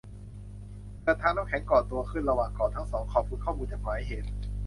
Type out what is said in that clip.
เกิดทางน้ำแข็งก่อตัวขึ้นระหว่างเกาะทั้งสอง ขอบคุณข้อมูลจาก หมายเหตุ